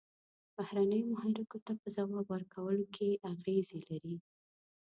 بهرنیو محرکو ته په ځواب ورکولو کې اغیزې لري.